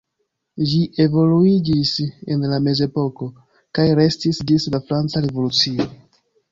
Ĝi evoluiĝis en la mezepoko kaj restis ĝis la Franca revolucio.